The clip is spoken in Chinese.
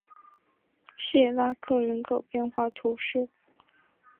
谢拉克人口变化图示